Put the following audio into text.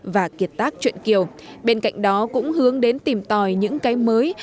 và kiệt tác truyện kiều bên cạnh đó cũng hướng đến tìm tòi những cái mới